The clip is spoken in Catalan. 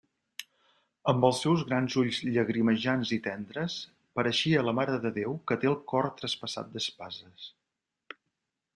Amb els seus grans ulls llagrimejants i tendres, pareixia la Mare de Déu que té el cor traspassat d'espases.